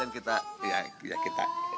yuk sekalian kita ya kita